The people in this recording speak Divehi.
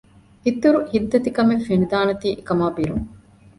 އިތުރު ހިތްދަތިކަމެއް ފެނިދާނެތީ އެކަމާ ބިރުން